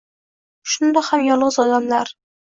Shundoq ham yolg’iz odamlar.